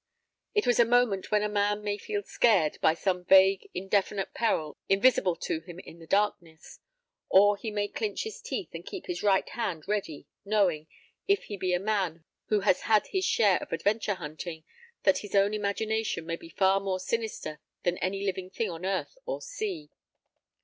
It was a moment when a man may feel scared by some vague, indefinite peril invisible to him in the darkness. Or he may clinch his teeth and keep his right hand ready, knowing, if he be a man who has had his share of adventure hunting, that his own imagination may be far more sinister than any living thing on earth or sea.